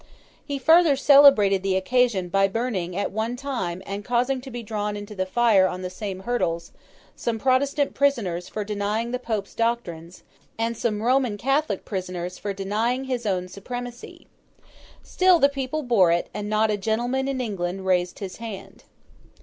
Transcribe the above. He further celebrated the occasion by burning at one time, and causing to be drawn to the fire on the same hurdles, some Protestant prisoners for denying the Pope's doctrines, and some Roman Catholic prisoners for denying his own supremacy. Still the people bore it, and not a gentleman in England raised his hand.